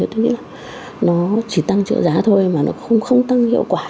tôi nghĩ nó chỉ tăng trợ giá thôi mà không tăng hiệu quả